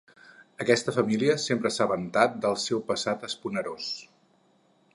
Aquesta família sempre s'ha vantat del seu passat esponerós.